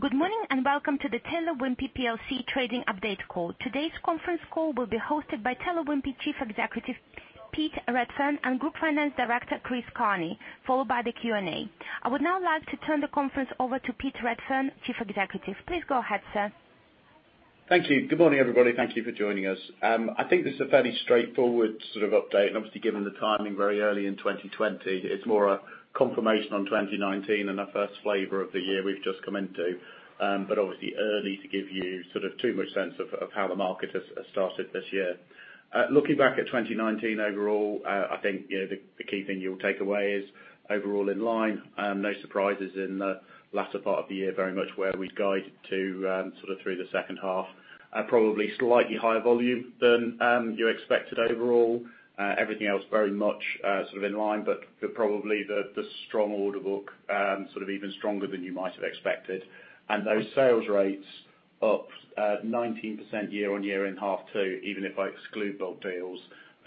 Good morning. Welcome to the Taylor Wimpey plc trading update call. Today's conference call will be hosted by Taylor Wimpey Chief Executive, Pete Redfern, and Group Finance Director, Chris Carney, followed by the Q&A. I would now like to turn the conference over to Pete Redfern, Chief Executive. Please go ahead, sir. Thank you. Good morning, everybody. Thank you for joining us. I think this is a fairly straightforward update and obviously given the timing very early in 2020, it's more a confirmation on 2019 and a first flavor of the year we've just come into, but obviously early to give you too much sense of how the market has started this year. Looking back at 2019 overall, I think the key thing you'll take away is overall in line. No surprises in the latter part of the year, very much where we guided to through the second half. Probably slightly higher volume than you expected overall. Everything else very much in line, but probably the strong order book, even stronger than you might have expected. Those sales rates up 19% year-on-year in half two, even if I exclude bulk deals,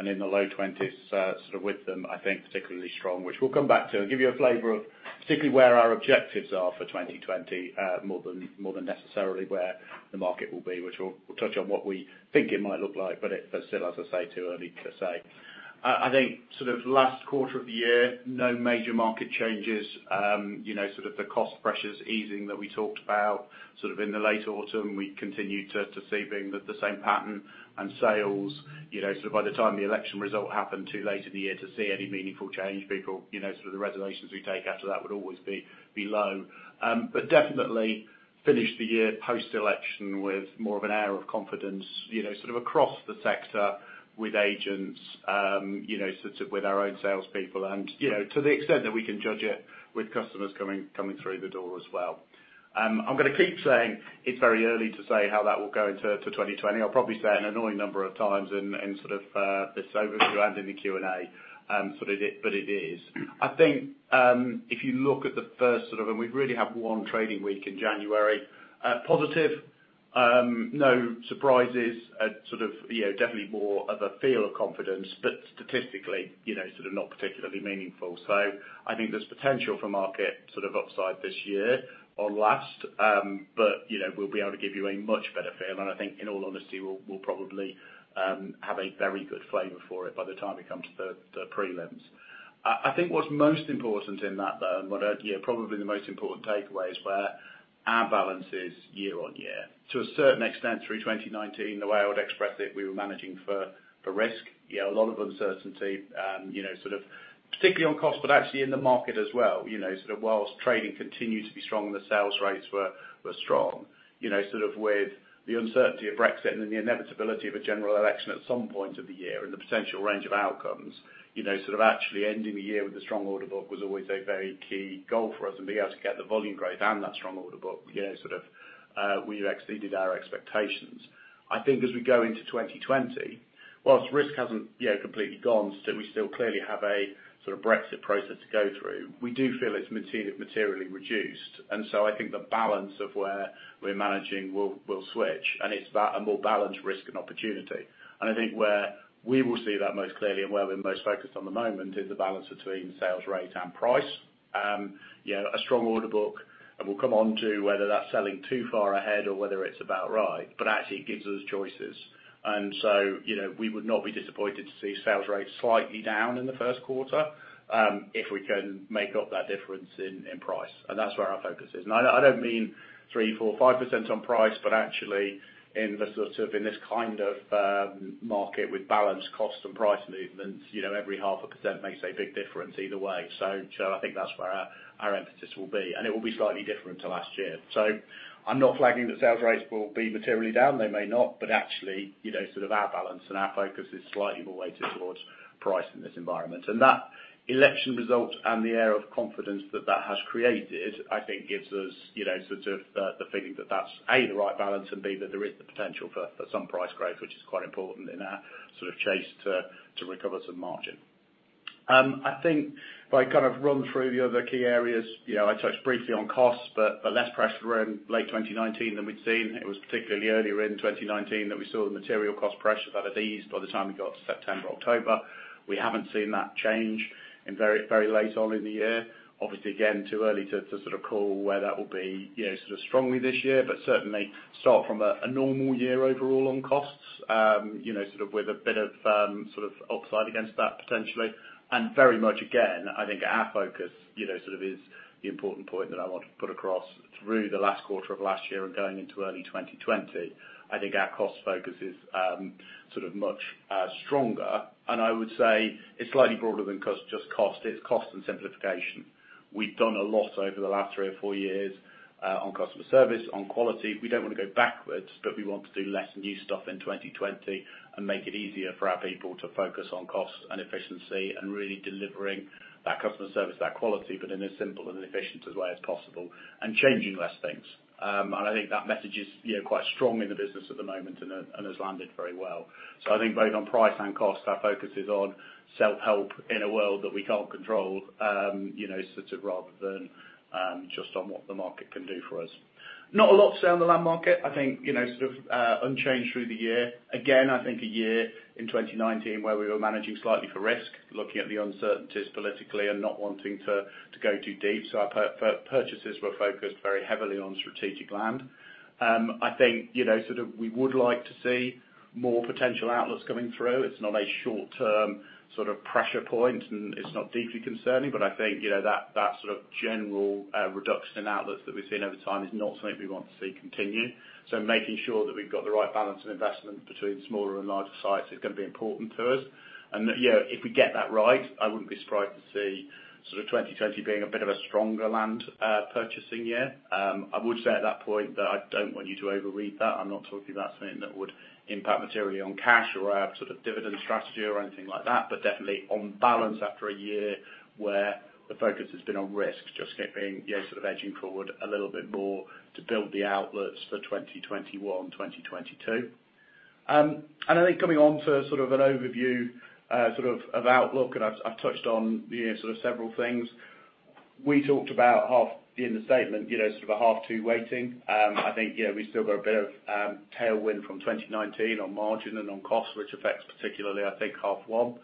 and in the low 20s with them, I think particularly strong, which we'll come back to and give you a flavor of particularly where our objectives are for 2020, more than necessarily where the market will be, which we'll touch on what we think it might look like, but still, as I say, too early to say. I think last quarter of the year, no major market changes. The cost pressures easing that we talked about in the late autumn, we continued to see being the same pattern and sales, by the time the election result happened too late in the year to see any meaningful change before the reservations we take after that would always be low. Definitely finished the year post-election with more of an air of confidence, across the sector with agents, with our own salespeople and to the extent that we can judge it with customers coming through the door as well. I'm going to keep saying it's very early to say how that will go into 2020. I'll probably say it an annoying number of times in this overview and in the Q&A but it is. I think if you look at the first, and we really have one trading week in January, positive, no surprises, definitely more of a feel of confidence, but statistically not particularly meaningful. I think there's potential for market upside this year on last. We'll be able to give you a much better feel and I think in all honesty, we'll probably have a very good flavor for it by the time it comes to the prelims. I think what's most important in that though, and probably the most important takeaway is where our balance is year-on-year. To a certain extent through 2019, the way I would express it, we were managing for risk. A lot of uncertainty, particularly on cost, but actually in the market as well, while trading continued to be strong and the sales rates were strong. With the uncertainty of Brexit and the inevitability of a general election at some point of the year and the potential range of outcomes, actually ending the year with a strong order book was always a very key goal for us and being able to get the volume growth and that strong order book, we exceeded our expectations. I think as we go into 2020, whilst risk hasn't completely gone, we still clearly have a Brexit process to go through. We do feel it's materially reduced, and so I think the balance of where we're managing will switch and it's that, and we'll balance risk and opportunity. I think where we will see that most clearly and where we're most focused on the moment is the balance between sales rate and price. A strong order book and we'll come on to whether that's selling too far ahead or whether it's about right, but actually it gives us choices. We would not be disappointed to see sales rates slightly down in the first quarter, if we can make up that difference in price. That's where our focus is. I don't mean 3%, 4%, 5% on price, but actually in this kind of market with balanced cost and price movements, every half a percent makes a big difference either way. I think that's where our emphasis will be, and it will be slightly different to last year. I'm not flagging that sales rates will be materially down. They may not, but actually, our balance and our focus is slightly more weighted towards price in this environment. That election result and the air of confidence that that has created, I think gives us the feeling that that's A, the right balance, and B, that there is the potential for some price growth, which is quite important in our chase to recover some margin. I think if I run through the other key areas, I touched briefly on costs, but less pressure in late 2019 than we'd seen. It was particularly earlier in 2019 that we saw the material cost pressures that had eased by the time we got to September, October. We haven't seen that change in very late on in the year. Obviously, again, too early to call where that will be strongly this year, but certainly start from a normal year overall on costs, with a bit of upside against that potentially. Very much again, I think our focus is the important point that I want to put across through the last quarter of last year and going into early 2020, I think our cost focus is much stronger, and I would say it's slightly broader than just cost. It's cost and simplification. We've done a lot over the last three or four years on customer service, on quality. We don't want to go backwards, we want to do less new stuff in 2020 and make it easier for our people to focus on cost and efficiency, and really delivering that customer service, that quality, but in as simple and efficient a way as possible, changing less things. I think that message is quite strong in the business at the moment, and has landed very well. I think both on price and cost, our focus is on self-help in a world that we can't control, sort of rather than just on what the market can do for us. Not a lot to say on the land market. I think, sort of unchanged through the year. Again, I think a year in 2019, where we were managing slightly for risk, looking at the uncertainties politically and not wanting to go too deep. Our purchases were focused very heavily on strategic land. I think we would like to see more potential outlets coming through. It's not a short-term sort of pressure point, and it's not deeply concerning, but I think that sort of general reduction in outlets that we've seen over time is not something we want to see continue. Making sure that we've got the right balance of investment between smaller and larger sites is going to be important to us. If we get that right, I wouldn't be surprised to see 2020 being a bit of a stronger land purchasing year. I would say at that point that I don't want you to overread that. I'm not talking about something that would impact materially on cash or our sort of dividend strategy or anything like that, but definitely on balance after a year where the focus has been on risk, just being, sort of edging forward a little bit more to build the outlets for 2021, 2022. I think coming on for sort of an overview of outlook, and I've touched on sort of several things. We talked about in the statement, sort of a half two weighting. I think, we still got a bit of tailwind from 2019 on margin and on cost, which affects particularly, I think, half one.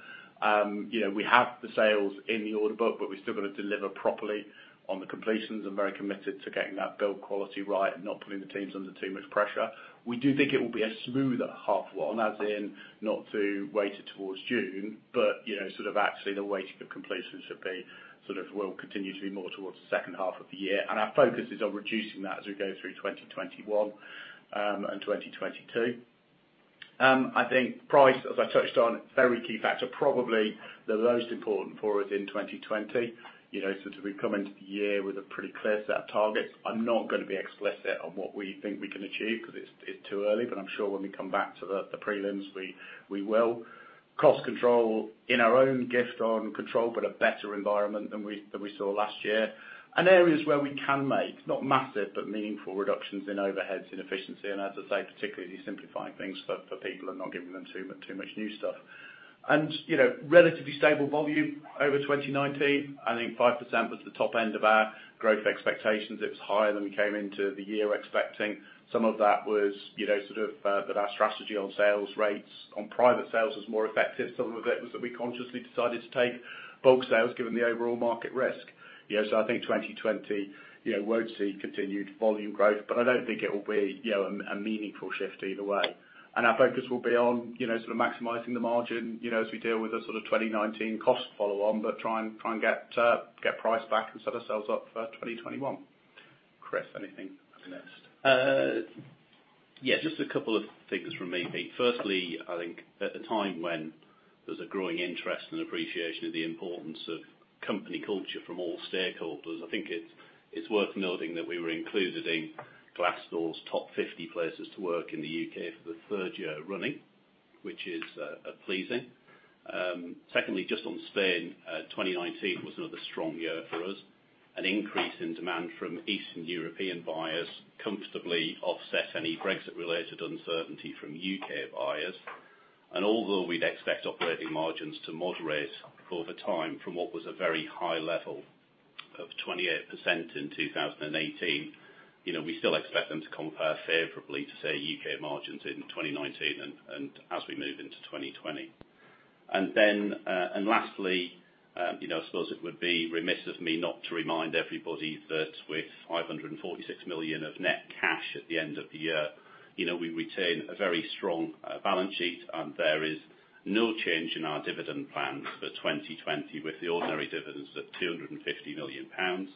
We have the sales in the order book, but we still got to deliver properly on the completions and very committed to getting that build quality right and not putting the teams under too much pressure. We do think it will be a smoother half one, as in not too weighted towards June, but sort of actually the weighting of completions will continue to be more towards the second half of the year. Our focus is on reducing that as we go through 2021 and 2022. I think price, as I touched on, very key factor, probably the most important for us in 2020. Sort of we come into the year with a pretty clear set of targets. I'm not going to be explicit on what we think we can achieve because it's too early. I'm sure when we come back to the prelims, we will. Cost control in our own gift on control, a better environment than we saw last year. Areas where we can make, not massive, but meaningful reductions in overheads and efficiency, and as I say, particularly simplifying things for people and not giving them too much new stuff. Relatively stable volume over 2019. I think 5% was the top end of our growth expectations. It was higher than we came into the year expecting. Some of that was sort of that our strategy on sales rates, on private sales was more effective. Some of it was that we consciously decided to take bulk sales given the overall market risk. I think 2020 won't see continued volume growth, but I don't think it will be a meaningful shift either way. Our focus will be on maximizing the margin as we deal with the sort of 2019 cost follow on, but try and get price back and set ourselves up for 2021. Chris, anything next? Yeah, just a couple of things from me, Pete. Firstly, I think at the time when there's a growing interest and appreciation of the importance of company culture from all stakeholders, I think it's worth noting that we were included in Glassdoor's top 50 places to work in the U.K. for the third year running, which is pleasing. Secondly, just on Spain, 2019 was another strong year for us. An increase in demand from Eastern European buyers comfortably offset any Brexit related uncertainty from U.K. buyers. Although we'd expect operating margins to moderate over time from what was a very high level of 28% in 2018, we still expect them to compare favorably to, say, U.K. margins in 2019 and as we move into 2020. Lastly, I suppose it would be remiss of me not to remind everybody that with 546 million of net cash at the end of the year, we retain a very strong balance sheet, and there is no change in our dividend plans for 2020 with the ordinary dividends at 250 million pounds,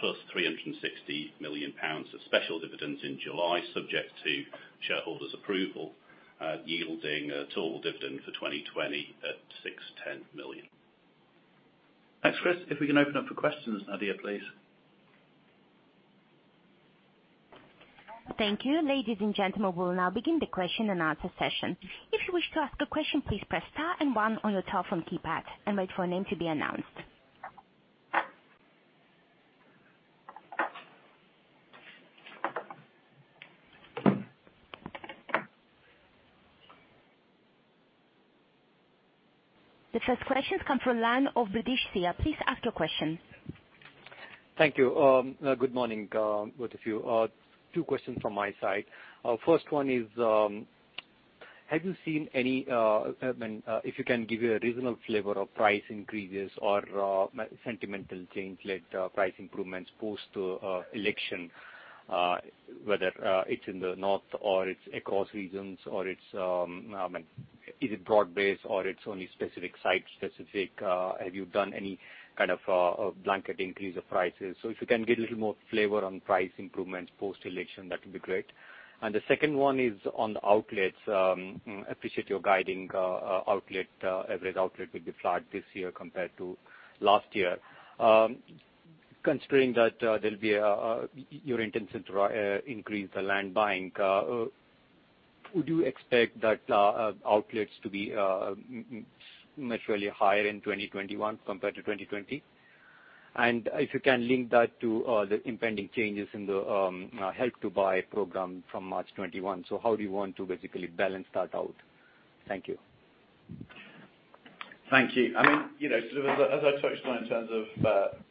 plus 360 million pounds of special dividends in July, subject to shareholders approval, yielding a total dividend for 2020 at 610 million. Thanks, Chris. If we can open up for questions, Nadia, please. Thank you. Ladies and gentlemen, we will now begin the question and answer session. If you wish to ask a question, please press star and one on your telephone keypad and wait for your name to be announced. The first questions come from the line of Ladysia. Please ask your question. Thank you. Good morning, both of you. Two questions from my side. First one is, have you seen any, if you can give a reasonable flavor of price increases or sentimental change like price improvements post-election, whether it's in the north or it's across regions or is it broad-based, or it's only specific site-specific? Have you done any kind of blanket increase of prices? If you can give a little more flavor on price improvements post-election, that would be great. The second one is on the outlets. Appreciate your guiding outlet. Average outlet will be flat this year compared to last year. Considering that there'll be your intention to increase the land buying, would you expect that outlets to be materially higher in 2021 compared to 2020? If you can link that to the impending changes in the Help to Buy program from March 2021. How do you want to basically balance that out? Thank you. Thank you. As I touched on in terms of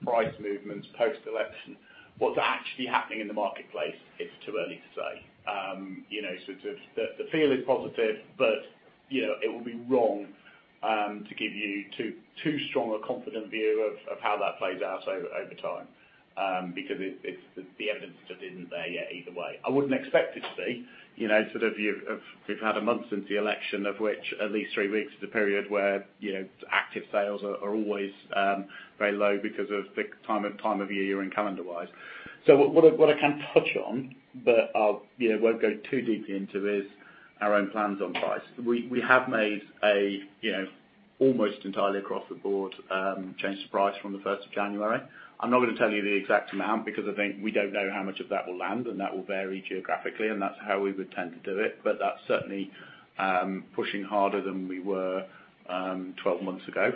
price movements post-election, what's actually happening in the marketplace, it's too early to say. The feel is positive, it would be wrong to give you too strong a confident view of how that plays out over time, because the evidence just isn't there yet either way. I wouldn't expect it to be. We've had a month since the election, of which at least three weeks is a period where active sales are always very low because of the time of year in calendar-wise. What I can touch on, but I won't go too deeply into, is our own plans on price. We have made a, almost entirely across the board, change to price from the 1st of January. I'm not going to tell you the exact amount because I think we don't know how much of that will land and that will vary geographically, and that's how we would tend to do it. That's certainly pushing harder than we were 12 months ago.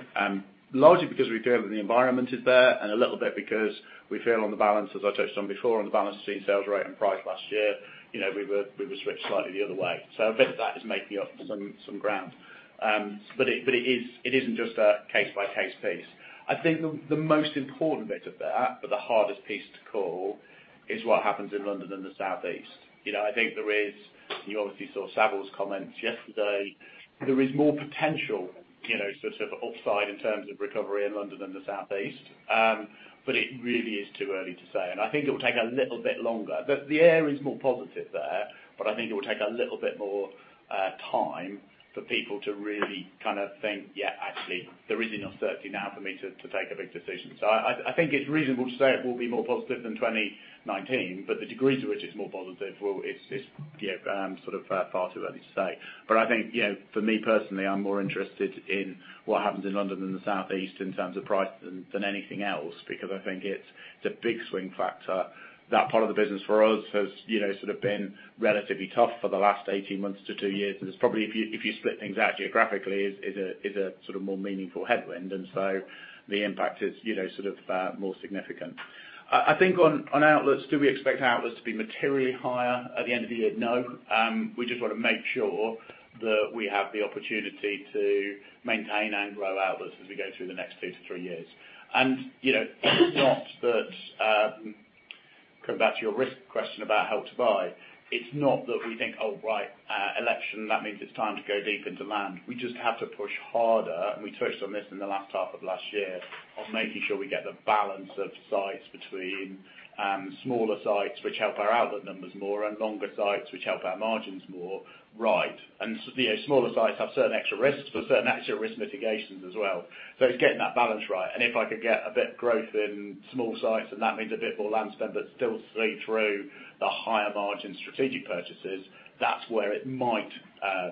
Largely because we feel that the environment is there, and a little bit because we feel on the balance, as I touched on before, on the balance sheet sales rate and price last year, we were switched slightly the other way. A bit of that is making up some ground. It isn't just a case-by-case piece. I think the most important bit of that, but the hardest piece to call, is what happens in London and the Southeast. You obviously saw Savills comments yesterday. There is more potential upside in terms of recovery in London than the Southeast. It really is too early to say, and I think it will take a little bit longer. The air is more positive there. I think it will take a little bit more time for people to really think, "Yeah, actually, there is enough certainty now for me to take a big decision." I think it's reasonable to say it will be more positive than 2019. The degree to which it's more positive, well, it's far too early to say. I think, for me personally, I'm more interested in what happens in London than the Southeast in terms of price than anything else, because I think it's a big swing factor. That part of the business for us has been relatively tough for the last 18 months to two years. It's probably, if you split things out geographically, is a more meaningful headwind. The impact is more significant. I think on outlets, do we expect outlets to be materially higher at the end of the year? No. We just want to make sure that we have the opportunity to maintain and grow outlets as we go through the next two to three years. Coming back to your risk question about Help to Buy, it's not that we think, "Oh, right, election, that means it's time to go deep into land." We just have to push harder, and we touched on this in the last half of last year, on making sure we get the balance of sites between smaller sites, which help our outlet numbers more, and longer sites, which help our margins more, right. Smaller sites have certain extra risks, but certain extra risk mitigations as well. It's getting that balance right. If I could get a bit growth in small sites, and that means a bit more land spend, but still see through the higher margin strategic purchases, that's where it might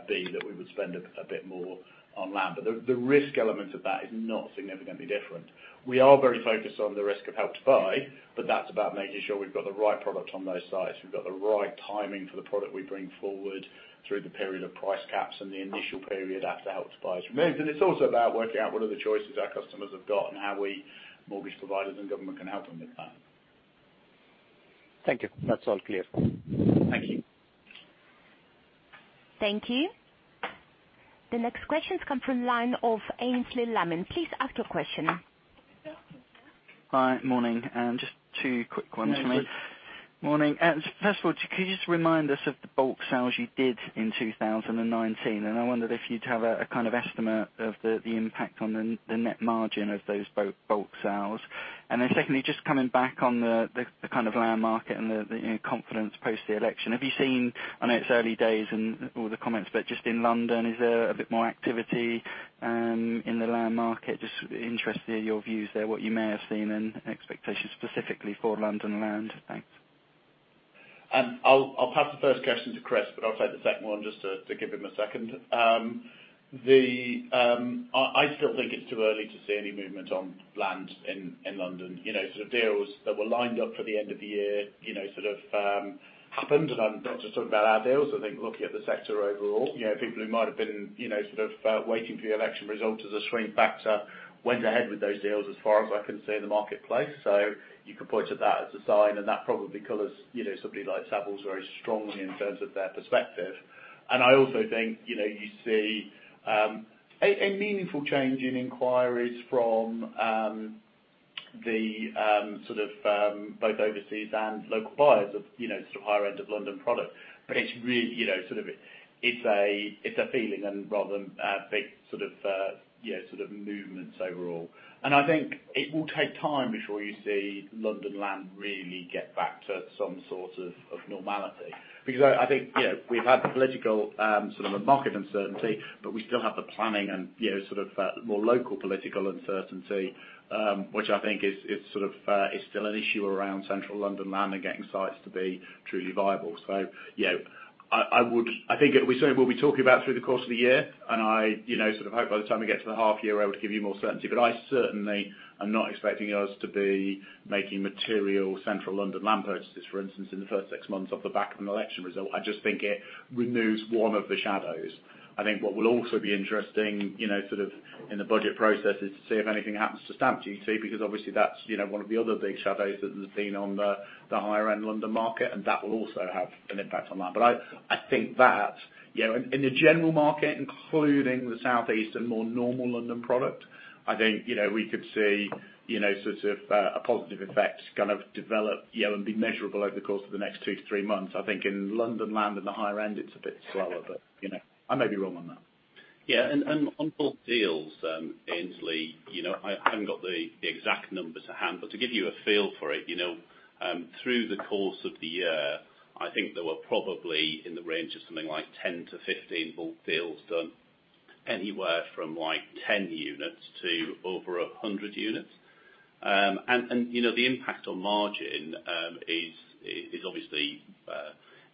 be that we would spend a bit more on land. The risk element of that is not significantly different. We are very focused on the risk of Help to Buy, but that's about making sure we've got the right product on those sites. We've got the right timing for the product we bring forward through the period of price caps and the initial period after Help to Buy is removed. It's also about working out what are the choices our customers have got and how we, mortgage providers and government, can help them with that. Thank you. That's all clear. Thank you. Thank you. The next questions come from line of Aynsley Lammin. Please ask your question. Hi. Morning. Just two quick ones from me. Morning, sir. Morning. First of all, could you just remind us of the bulk sales you did in 2019? I wondered if you'd have a kind of estimate of the impact on the net margin of those bulk sales. Secondly, just coming back on the land market and the confidence post the election. Have you seen, I know it's early days and all the comments, but just in London, is there a bit more activity in the land market? Just interested in your views there, what you may have seen and expectations specifically for London land. Thanks. I'll pass the first question to Chris, but I'll take the second one just to give him a second. I still think it's too early to see any movement on land in London. Sort of deals that were lined up for the end of the year happened. I'm not just talking about our deals. I think looking at the sector overall, people who might have been waiting for the election result as a swing factor went ahead with those deals as far as I can see in the marketplace. You could point to that as a sign, and that probably colors somebody like Savills very strongly in terms of their perspective. I also think you see a meaningful change in inquiries from the both overseas and local buyers of higher end of London product. It's a feeling rather than a big sort of movements overall. I think it will take time before you see London land really get back to some sort of normality. I think we've had the political sort of a market uncertainty, but we still have the planning and more local political uncertainty, which I think is still an issue around Central London land and getting sites to be truly viable. I think it certainly will be talking about through the course of the year, and I hope by the time we get to the half year, I'll be able to give you more certainty, but I certainly am not expecting us to be making material Central London land purchases, for instance, in the first six months off the back of an election result. I just think it removes one of the shadows. I think what will also be interesting in the budget process is to see if anything happens to stamp duty, because obviously that's one of the other big shadows that has been on the higher end London market, and that will also have an impact on that. I think that in the general market, including the Southeast and more normal London product, I think we could see a positive effect kind of develop and be measurable over the course of the next two to three months. I think in London land in the higher end, it's a bit slower, but I may be wrong on that. Yeah. On bulk deals, Aynsley, I haven't got the exact numbers at hand. To give you a feel for it, through the course of the year, I think there were probably in the range of something like 10-15 bulk deals done anywhere from 10 units to over 100 units. The impact on margin,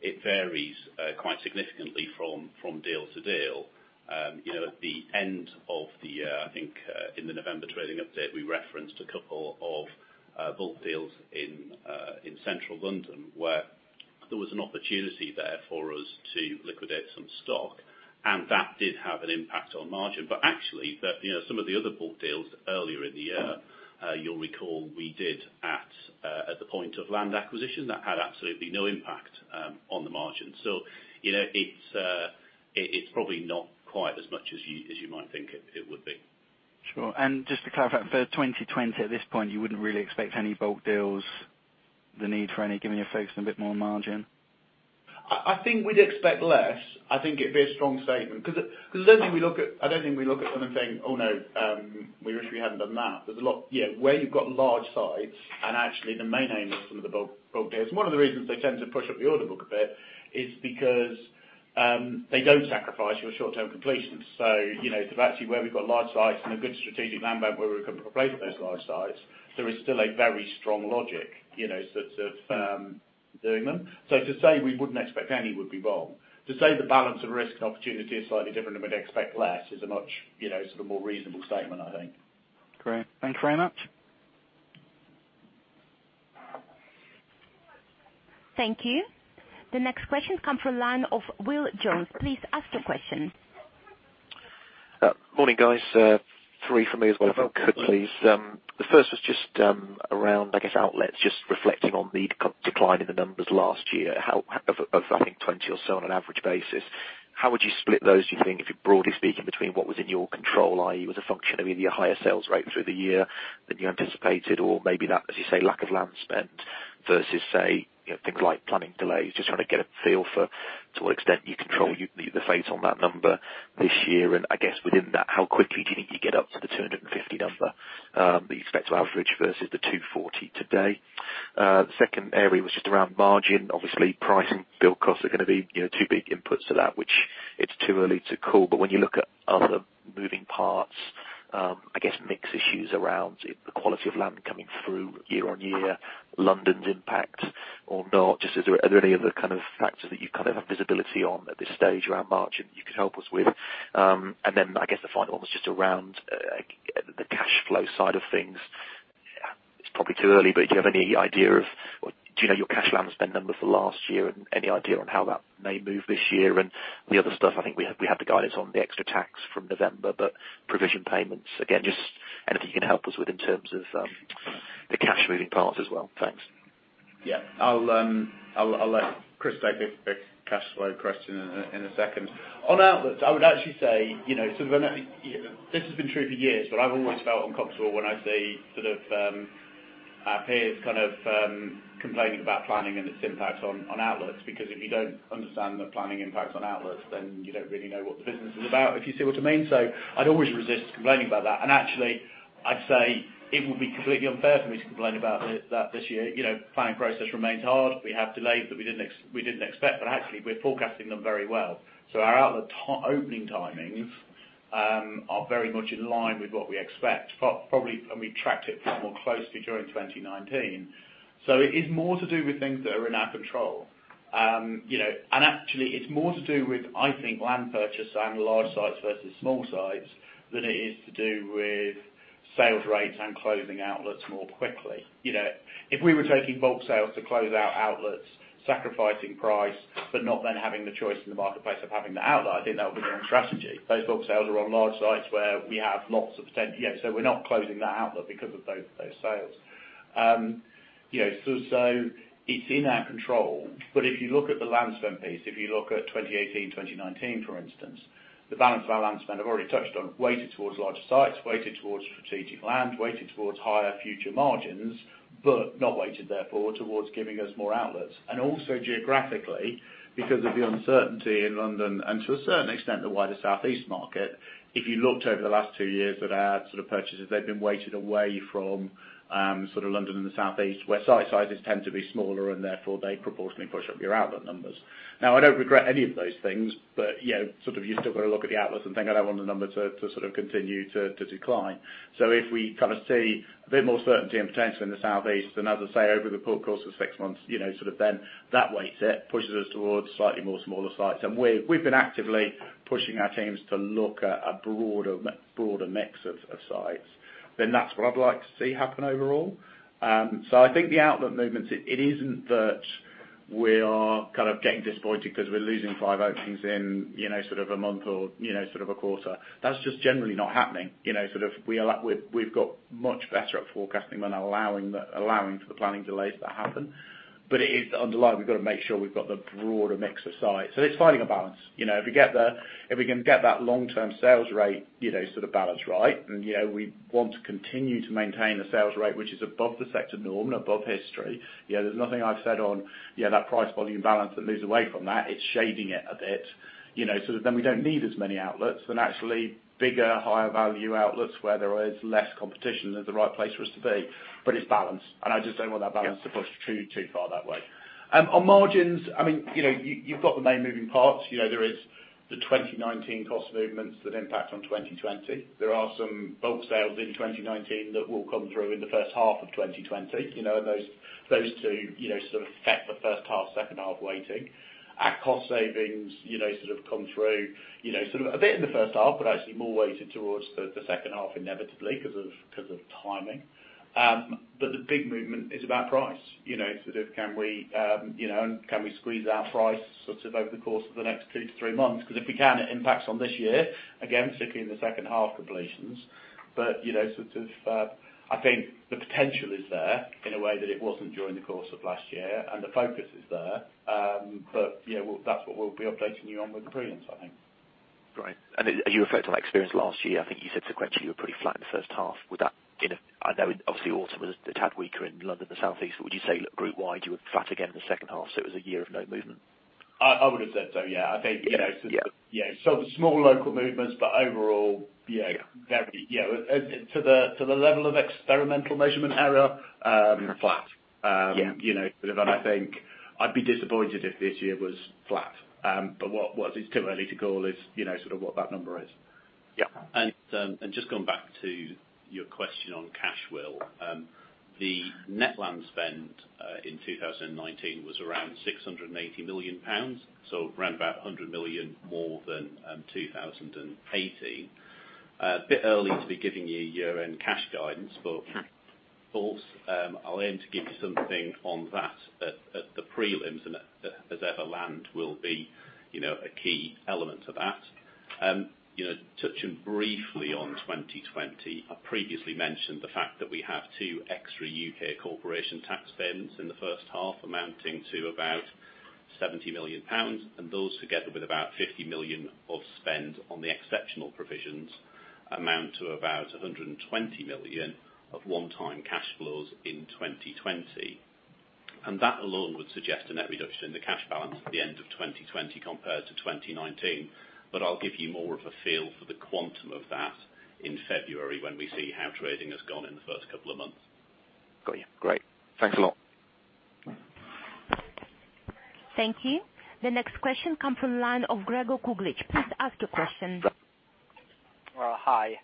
it varies quite significantly from deal to deal. At the end of the year, I think in the November trading update, we referenced a couple of bulk deals in Central London where there was an opportunity there for us to liquidate some stock, and that did have an impact on margin. Actually some of the other bulk deals earlier in the year, you'll recall, we did at the point of land acquisition, that had absolutely no impact on the margin. It's probably not quite as much as you might think it would be. Sure. Just to clarify, for 2020, at this point, you wouldn't really expect any bulk deals, the need for any, given you're focusing a bit more on margin? I think we'd expect less. I think it'd be a strong statement because I don't think we look at them and think, "Oh, no, we wish we hadn't done that." Where you've got large sites and actually the main aim of some of the bulk deals, and one of the reasons they tend to push up the order book a bit is because they don't sacrifice your short-term completions. If actually where we've got large sites and a good strategic land bank where we can replace those large sites, there is still a very strong logic doing them. To say we wouldn't expect any would be wrong. To say the balance of risk and opportunity is slightly different and would expect less is a much more reasonable statement, I think. Great. Thank you very much. Thank you. The next question comes from line of Will Jones. Please ask your question. Morning, guys. Three from me as well, if I could, please. The first was just around, I guess, outlets, just reflecting on the decline in the numbers last year of, I think, 20 or so on an average basis. How would you split those, do you think, if you're broadly speaking, between what was in your control, i.e., was a function of either your higher sales rate through the year than you anticipated or maybe that, as you say, lack of land spend versus say, things like planning delays, just trying to get a feel for to what extent you control the fate on that number this year. I guess within that, how quickly do you think you get up to the 250 number that you expect to average versus the 240 today? The second area was just around margin. Obviously, price and build costs are going to be two big inputs to that, which it's too early to call. When you look at other moving parts, I guess mix issues around the quality of land coming through YoY, London's impact or not, just are there any other kind of factors that you have visibility on at this stage around margin you could help us with? I guess the final one was just around the cash flow side of things. It's probably too early, Do you know your cash land spend number for last year and any idea on how that may move this year and the other stuff? I think we have the guidance on the extra tax from November, but provision payments, again, just anything you can help us with in terms of the cash moving parts as well. Thanks. Yeah. I'll let Chris take the cash flow question in a second. On outlets, I would actually say, this has been true for years, but I've always felt uncomfortable when I see our peers kind of complaining about planning and its impact on outlets, because if you don't understand the planning impact on outlets, then you don't really know what the business is about, if you see what I mean. I'd always resist complaining about that. Actually, I'd say it would be completely unfair for me to complain about that this year. Planning process remains hard. We have delays that we didn't expect, but actually, we're forecasting them very well. Our outlet opening timings are very much in line with what we expect. We tracked it far more closely during 2019. It is more to do with things that are in our control. Actually, it's more to do with, I think, land purchase and large sites versus small sites than it is to do with sales rates and closing outlets more quickly. If we were taking bulk sales to close out outlets, sacrificing price, but not then having the choice in the marketplace of having the outlet, I think that would be the wrong strategy. Those bulk sales are on large sites where we have lots of potential. We're not closing that outlet because of those sales. It's in our control. If you look at the land spend piece, if you look at 2018, 2019, for instance, the balance of our land spend, I've already touched on, weighted towards larger sites, weighted towards strategic land, weighted towards higher future margins, but not weighted therefore towards giving us more outlets. Also geographically, because of the uncertainty in London, and to a certain extent, the wider South East market, if you looked over the last two years at our sort of purchases, they've been weighted away from London and the South East, where site sizes tend to be smaller and therefore they proportionally push up your outlet numbers. Now, I don't regret any of those things. You still got to look at the outlets and think, I don't want the number to continue to decline. If we see a bit more certainty and potential in the South East than, as I say, over the course of six months, then that weight pushes us towards slightly more smaller sites. We've been actively pushing our teams to look at a broader mix of sites, then that's what I'd like to see happen overall. I think the outlet movements, it isn't that we are getting disappointed because we're losing five openings in a month or a quarter. That's just generally not happening. We've got much better at forecasting than allowing for the planning delays that happen. It is underlying, we've got to make sure we've got the broader mix of sites. It's finding a balance. If we can get that long-term sales rate balanced right, and we want to continue to maintain the sales rate, which is above the sector norm and above history. There's nothing I've said on that price volume balance that moves away from that. It's shading it a bit. We don't need as many outlets and actually bigger, higher value outlets where there is less competition is the right place for us to be. It's balance, and I just don't want that balance to push too far that way. On margins, you've got the main moving parts. There is the 2019 cost movements that impact on 2020. There are some bulk sales in 2019 that will come through in the first half of 2020. Those two affect the first half, second half weighting. Our cost savings come through a bit in the first half, but actually more weighted towards the second half inevitably because of timing. The big movement is about price, and can we squeeze our price over the course of the next two to three months? Because if we can, it impacts on this year, again, particularly in the second half completions. I think the potential is there in a way that it wasn't during the course of last year, and the focus is there. That's what we'll be updating you on with the prelims, I think. Great. As you reflect on that experience last year, I think you said sequentially you were pretty flat in the first half. I know obviously autumn was a tad weaker in London and the South East. Would you say group wide, you were flat again in the second half, so it was a year of no movement? I would've said so, yeah. Yeah. Small local movements, but overall. Yeah. To the level of experimental measurement error. Flat. Yeah. I think I'd be disappointed if this year was flat. It's too early to call what that number is. Yeah. Just going back to your question on cash, Will, the net land spend in 2019 was around 680 million pounds, so around about 100 million more than 2018. A bit early to be giving you year-end cash guidance, I'll aim to give you something on that at the prelims, as ever, land will be a key element of that. Touching briefly on 2020, I previously mentioned the fact that we have two extra UK corporation tax bills in the first half amounting to about 70 million pounds. Those, together with about 50 million of spend on the exceptional provisions, amount to about 120 million of one-time cash flows in 2020. That alone would suggest a net reduction in the cash balance at the end of 2020 compared to 2019. I'll give you more of a feel for the quantum of that in February when we see how trading has gone in the first couple of months. Got you. Great. Thanks a lot. Thank you. The next question come from line of Gregor Kuglitsch. Please ask your question. Hi.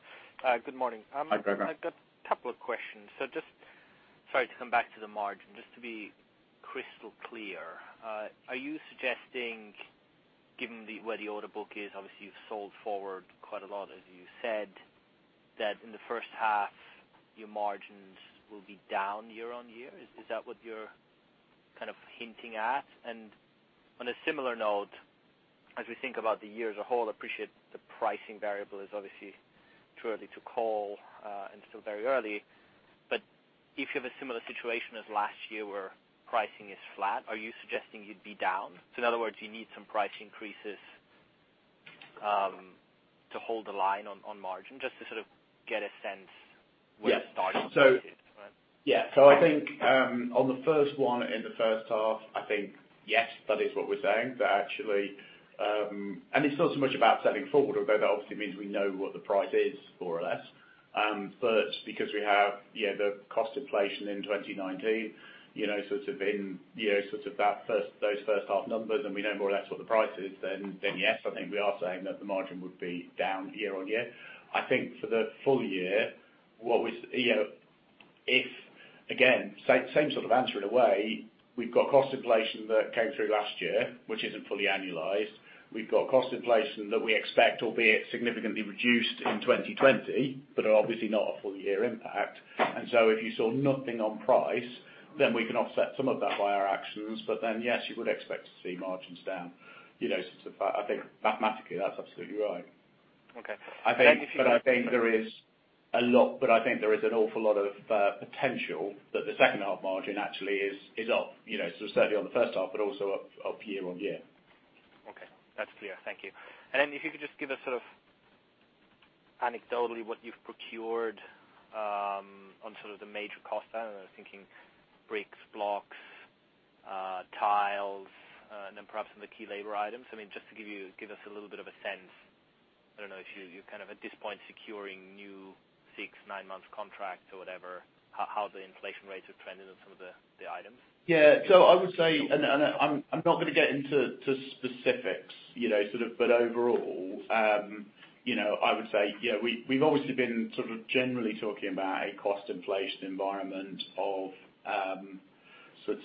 Good morning. Hi, Gregor. I've got a couple of questions. Just sorry to come back to the margin. Just to be crystal clear, are you suggesting, given where the order book is, obviously you've sold forward quite a lot, as you said, that in the first half your margins will be down year-on-year? Is that what you're hinting at? On a similar note, as we think about the year as a whole, I appreciate the pricing variable is obviously too early to call, and still very early, but if you have a similar situation as last year where pricing is flat, are you suggesting you'd be down? In other words, you need some price increases to hold the line on margin? Just to sort of get a sense where to start on that. I think on the first one, in the first half, I think, yes, that is what we're saying that actually it's not so much about selling forward, although that obviously means we know what the price is, more or less. Because we have the cost inflation in 2019 in those first half numbers, and we know more or less what the price is, yes, I think we are saying that the margin would be down year-on-year. I think for the full year, same sort of answer in a way. We've got cost inflation that came through last year, which isn't fully annualized. We've got cost inflation that we expect, albeit significantly reduced in 2020, but are obviously not a full year impact. If you saw nothing on price, then we can offset some of that by our actions. Yes, you would expect to see margins down. I think mathematically, that's absolutely right. Okay. I think there is an awful lot of potential that the second half margin actually is up. Certainly on the first half, but also up YoY. Okay. That's clear. Thank you. If you could just give us anecdotally what you've procured on the major cost center. I was thinking bricks, blocks, tiles, and then perhaps on the key labor items. Just to give us a little bit of a sense. I don't know if you're at this point securing new six, nine months contracts or whatever, how the inflation rates are trending on some of the items. Yeah. I would say, and I'm not going to get into specifics. Overall, I would say we've obviously been generally talking about a cost inflation environment of 3%-4%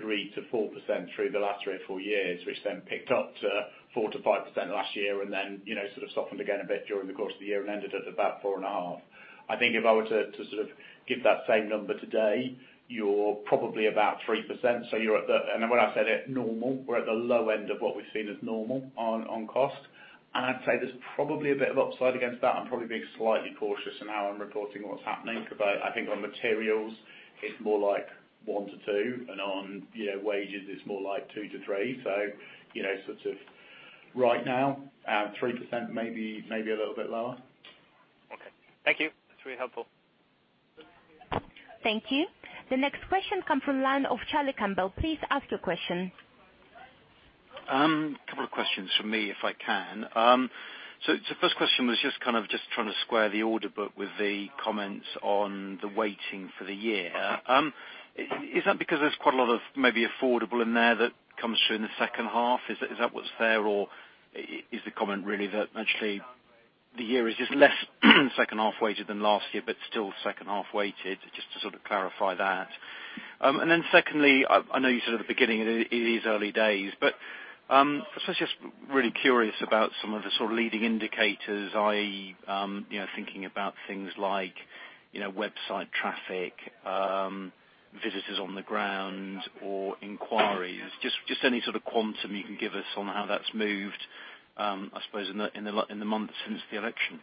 through the last three or four years, which then picked up to 4%-5% last year, and then softened again a bit during the course of the year and ended at about 4.5. I think if I were to give that same number today, you're probably about 3%. When I said at normal, we're at the low end of what we've seen as normal on cost. I'd say there's probably a bit of upside against that. I'm probably being slightly cautious in how I'm reporting on what's happening. I think on materials, it's more like 1%-2%, and on wages, it's more like 2%-3%. Right now, 3%, maybe a little bit lower. Okay. Thank you. That's really helpful. Thank you. The next question comes from the line of Charlie Campbell. Please ask your question. A couple of questions from me, if I can. The first question was just trying to square the order book with the comments on the weighting for the year. Is that because there's quite a lot of maybe affordable in there that comes through in the second half? Is that what's there, or is the comment really that actually the year is just less second half weighted than last year, but still second half weighted? Just to clarify that. Then secondly, I know you said at the beginning it is early days, but I was just really curious about some of the leading indicators, i.e., thinking about things like website traffic, visitors on the ground or inquiries. Just any sort of quantum you can give us on how that's moved, I suppose in the months since the election.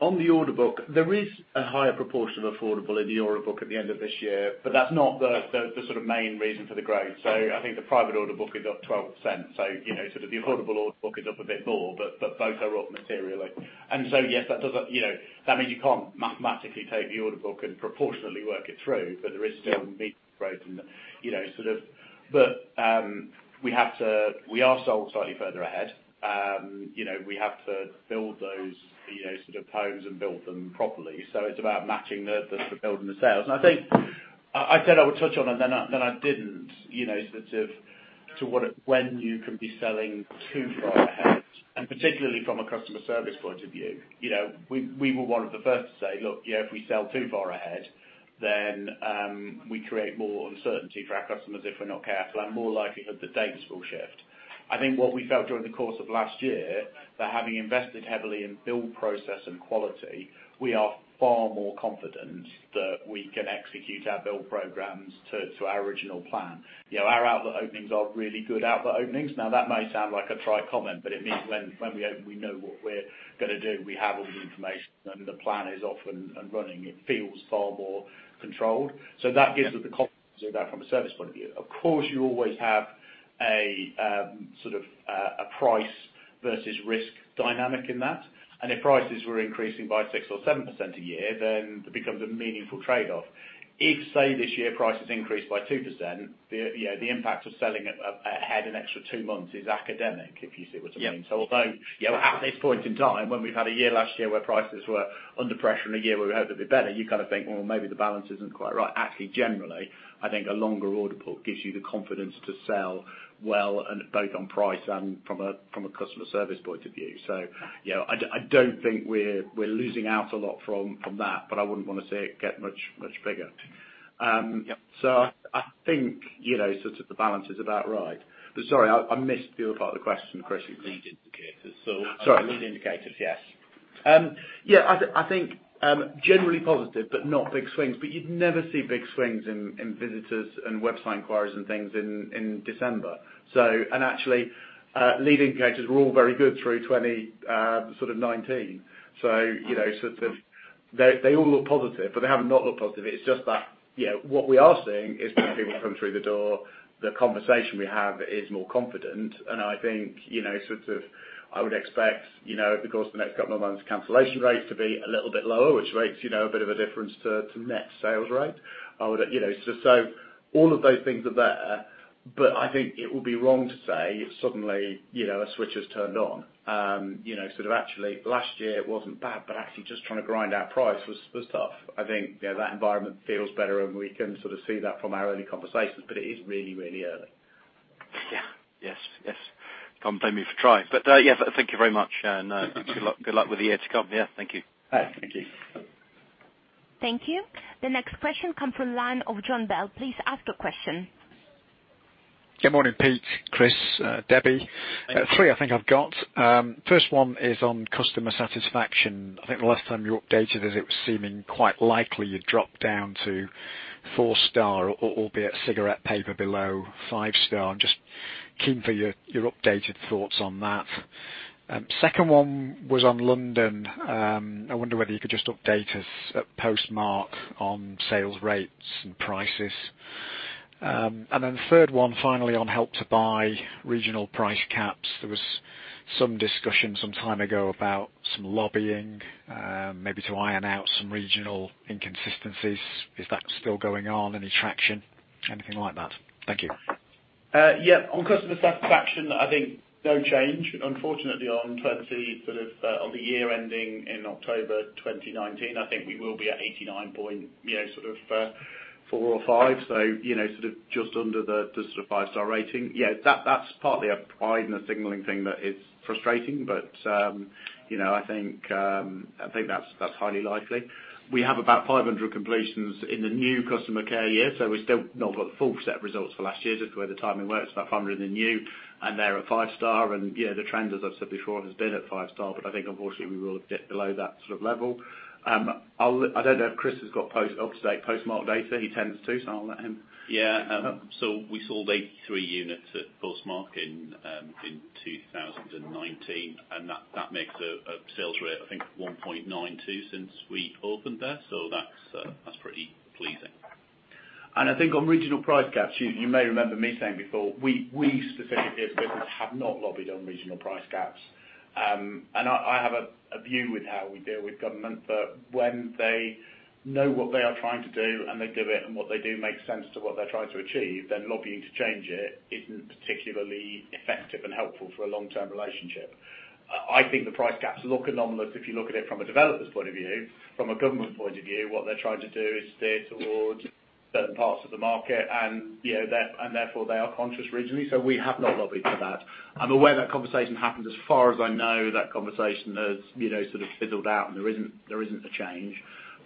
On the order book, there is a higher proportion of affordable in the order book at the end of this year, but that's not the main reason for the growth. I think the private order book is up 12%. The affordable order book is up a bit more, but both are up materially. Yes, that means you can't mathematically take the order book and proportionately work it through, but there is still meat to growth in there. We are sold slightly further ahead. We have to build those homes and build them properly. It's about matching the build and the sales. I think I said I would touch on it, then I didn't, to when you can be selling too far ahead, and particularly from a customer service point of view. We were one of the first to say, look, if we sell too far ahead, then we create more uncertainty for our customers if we're not careful, and more likelihood that dates will shift. I think what we felt during the course of last year, that having invested heavily in build process and quality, we are far more confident that we can execute our build programs to our original plan. Our outlet openings are really good outlet openings. That may sound like a trite comment, but it means when we open, we know what we're going to do. We have all the information, and the plan is off and running. It feels far more controlled. That gives us the confidence of that from a service point of view. Of course, you always have a price versus risk dynamic in that. If prices were increasing by 6% or 7% a year, then it becomes a meaningful trade-off. If, say, this year prices increased by 2%, the impact of selling ahead an extra two months is academic, if you see what I mean. Yeah. Although at this point in time, when we've had a year last year where prices were under pressure and a year where we hoped it'd be better, you kind of think, well, maybe the balance isn't quite right. Actually, generally, I think a longer order book gives you the confidence to sell well and both on price and from a customer service point of view. I don't think we're losing out a lot from that, but I wouldn't want to see it get much bigger. Yep. I think the balance is about right. Sorry, I missed the other part of the question, Chris. The lead indicators. Sorry. The lead indicators, yes. I think generally positive, but not big swings. You'd never see big swings in visitors and website inquiries and things in December. Actually, lead indicators were all very good through 2019. They all look positive, but they haven't not looked positive. It's just that what we are seeing is more people coming through the door, the conversation we have is more confident, and I think I would expect over the course of the next couple of months cancellation rates to be a little bit lower, which makes a bit of a difference to net sales rate. All of those things are there, but I think it would be wrong to say suddenly a switch has turned on. Last year it wasn't bad, but actually just trying to grind our price was tough. I think that environment feels better, and we can sort of see that from our early conversations, but it is really, really early. Yeah. Yes. Can't blame me for trying. Yeah, thank you very much, and good luck with the year to come. Yeah, thank you. Thank you. Thank you. The next question comes from the line of Jon Bell. Please ask your question. Good morning, Pete, Chris, Debbie. three I think I've got. First one is on customer satisfaction. I think the last time you updated it was seeming quite likely you'd drop down to four star, albeit cigarette paper below five star. I'm just keen for your updated thoughts on that. Second one was on London. I wonder whether you could just update us at Postmark on sales rates and prices. Then third one, finally, on Help to Buy regional price caps. There was some discussion some time ago about some lobbying, maybe to iron out some regional inconsistencies. Is that still going on? Any traction, anything like that? Thank you. Yeah. On customer satisfaction, I think no change. Unfortunately, on the year ending in October 2019, I think we will be at 89.4 or 89.5, so just under the five-star rating. Yeah, that's partly a pride and a signaling thing that is frustrating, but I think that's highly likely. We have about 500 completions in the new customer care year, so we've still not got the full set of results for last year. That's the way the timing works, about 500 are new, and they're at five-star. The trend, as I've said before, has been at five-star, but I think unfortunately we will dip below that sort of level. I don't know if Chris has got up-to-date Postmark data. He tends to, so I'll let him. Yeah. We sold 83 units at Postmark in 2019. That makes a sales rate, I think, 1.92 since we opened there. That's pretty pleasing. I think on regional price gaps, you may remember me saying before, we specifically as a business have not lobbied on regional price gaps. I have a view with how we deal with government, that when they know what they are trying to do, and they do it, and what they do makes sense to what they're trying to achieve, then lobbying to change it isn't particularly effective and helpful for a long-term relationship. I think the price gaps look anomalous if you look at it from a developer's point of view. From a government point of view, what they're trying to do is steer towards certain parts of the market, and therefore they are conscious regionally. We have not lobbied for that. I'm aware that conversation happened. As far as I know, that conversation has sort of fizzled out, and there isn't a change.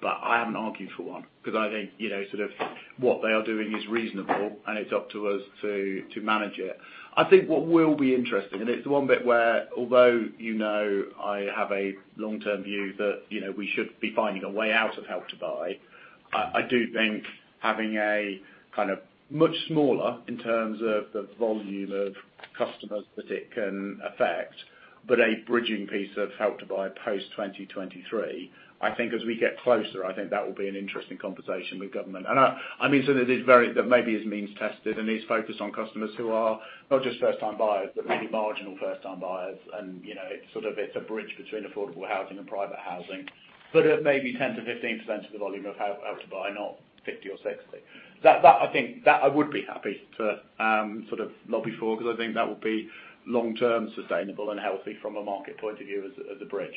I haven't argued for one because I think what they are doing is reasonable, and it's up to us to manage it. I think what will be interesting, and it's the one bit where although you know I have a long-term view that we should be finding a way out of Help to Buy, I do think having a much smaller, in terms of the volume of customers that it can affect, but a bridging piece of Help to Buy post 2023. I think as we get closer, I think that will be an interesting conversation with government. That maybe is means tested and is focused on customers who are not just first time buyers, but maybe marginal first time buyers. It's a bridge between affordable housing and private housing, but at maybe 10%-15% of the volume of Help to Buy, not 50% or 60%. That I think I would be happy to lobby for because I think that will be long-term sustainable and healthy from a market point of view as a bridge.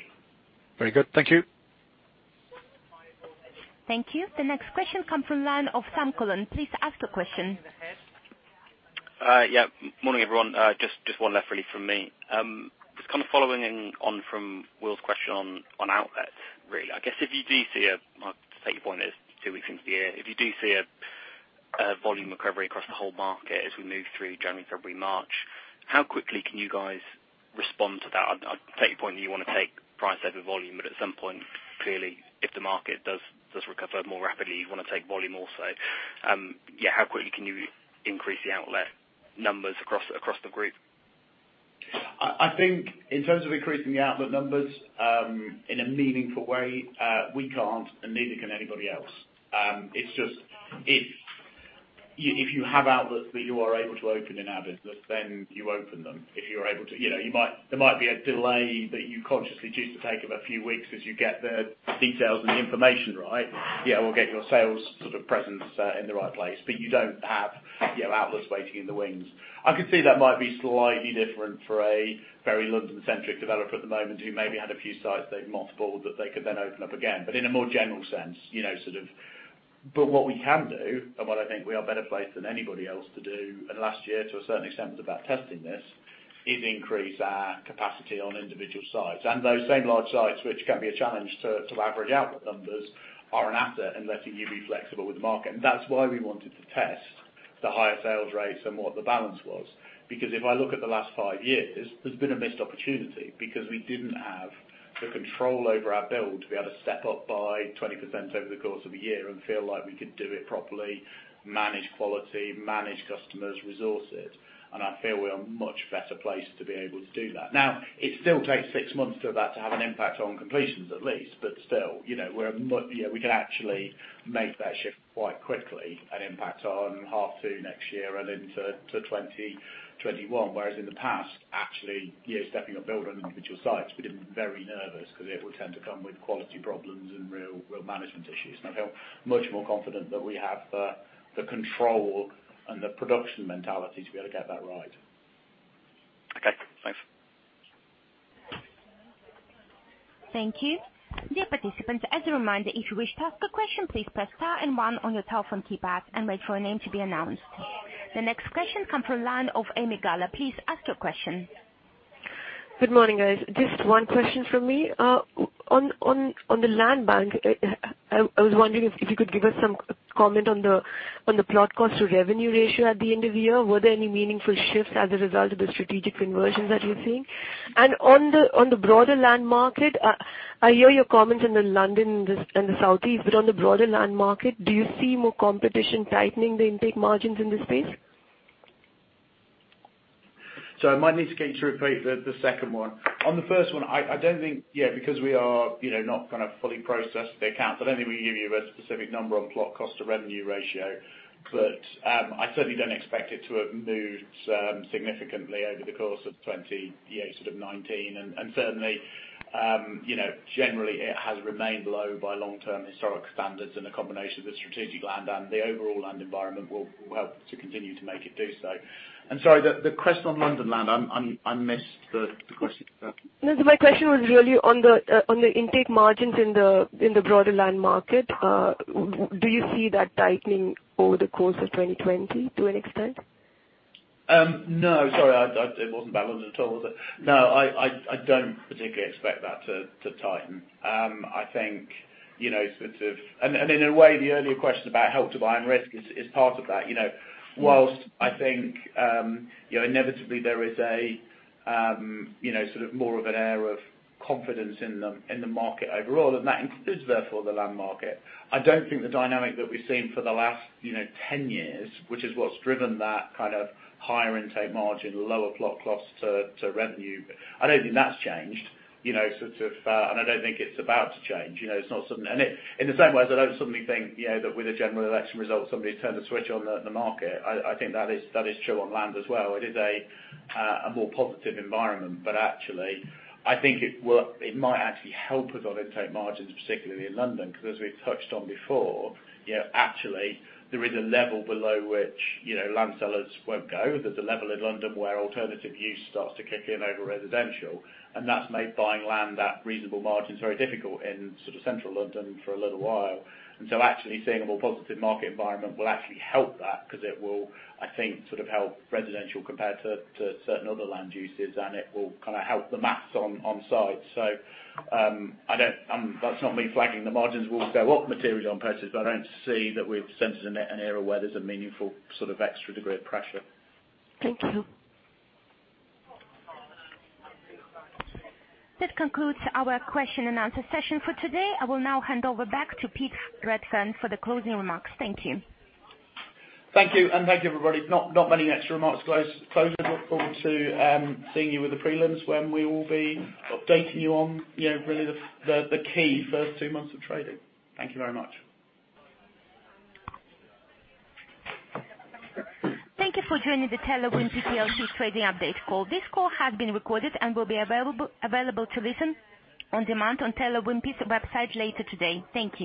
Very good. Thank you. Thank you. The next question comes from line of Samuel Cullen. Please ask the question. Yeah. Morning, everyone. Just one left really from me. Just kind of following on from Will's question on outlets, really. I guess if you do see a-- I take your point, it's two weeks into the year. If you do see a volume recovery across the whole market as we move through January, February, March, how quickly can you guys respond to that? I take your point that you want to take price over volume, but at some point, clearly, if the market does recover more rapidly, you want to take volume also. Yeah, how quickly can you increase the outlet numbers across the group? I think in terms of increasing the outlet numbers in a meaningful way, we can't, and neither can anybody else. It's just if you have outlets that you are able to open in our business, then you open them. There might be a delay that you consciously choose to take of a few weeks as you get the details and the information right or get your sales presence in the right place. You don't have outlets waiting in the wings. I could see that might be slightly different for a very London-centric developer at the moment who maybe had a few sites they've mothballed that they could then open up again. In a more general sense. What we can do, and what I think we are better placed than anybody else to do, and last year, to a certain extent, was about testing this, is increase our capacity on individual sites. Those same large sites which can be a challenge to average outlet numbers are an asset in letting you be flexible with the market. That's why we wanted to test the higher sales rates and what the balance was. If I look at the last five years, there's been a missed opportunity because we didn't have the control over our build to be able to step up by 20% over the course of a year and feel like we could do it properly, manage quality, manage customers, resource it. I feel we are much better placed to be able to do that. It still takes six months for that to have an impact on completions at least. Still, we can actually make that shift quite quickly and impact on half two next year and into 2021. Whereas in the past, actually stepping up build on individual sites, we didn't very nervous because it would tend to come with quality problems and real management issues. I feel much more confident that we have the control and the production mentality to be able to get that right. Okay, thanks. Thank you. Dear participants, as a reminder, if you wish to ask a question, please press star and one on your telephone keypad and wait for a name to be announced. The next question comes from line of Ami Galla. Please ask your question. Good morning, guys. Just one question from me. On the land bank, I was wondering if you could give us some comment on the plot cost to revenue ratio at the end of the year, were there any meaningful shifts as a result of the strategic conversions that you're seeing? On the broader land market, I hear your comments in the London and the Southeast, but on the broader land market, do you see more competition tightening the intake margins in this space? I might need to get you to repeat the second one. On the first one, I don't think, because we are not going to fully process the account, I don't think we can give you a specific number on plot cost to revenue ratio. I certainly don't expect it to have moved significantly over the course of 2019. Certainly, generally, it has remained low by long-term historic standards, and a combination of the strategic land and the overall land environment will help to continue to make it do so. Sorry, the question on London land, I missed the question. No, my question was really on the intake margins in the broader land market. Do you see that tightening over the course of 2020 to an extent? No. Sorry, it wasn't about London at all, was it? No, I don't particularly expect that to tighten. In a way, the earlier question about Help to Buy and risk is part of that. Whilst I think inevitably there is more of an air of confidence in the market overall, and that includes therefore the land market. I don't think the dynamic that we've seen for the last 10 years, which is what's driven that higher intake margin, lower plot cost to revenue, I don't think that's changed. I don't think it's about to change. In the same way as I don't suddenly think that with a general election result, somebody turned the switch on the market. I think that is true on land as well. It is a more positive environment, but actually, I think it might actually help us on intake margins, particularly in London, because as we touched on before, actually, there is a level below which land sellers won't go. There's a level in London where alternative use starts to kick in over residential, and that's made buying land at reasonable margins very difficult in central London for a little while. Actually seeing a more positive market environment will actually help that because it will, I think, help residential compared to certain other land uses, and it will help the maths on site. That's not me flagging the margins will go up materially on purchase, but I don't see that we've sensed an era where there's a meaningful extra degree of pressure. Thank you. That concludes our question and answer session for today. I will now hand over back to Pete Redfern for the closing remarks. Thank you. Thank you, and thank you, everybody. Not many extra remarks to close with. Look forward to seeing you with the prelims when we will be updating you on really the key first two months of trading. Thank you very much. Thank you for joining the Taylor Wimpey plc trading update call. This call has been recorded and will be available to listen on demand on Taylor Wimpey's website later today. Thank you.